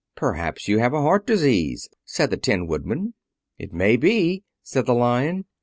"Perhaps you have heart disease," said the Tin Woodman. "It may be," said the Lion.